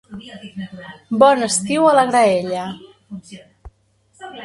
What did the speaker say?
Bon estiu a la graella.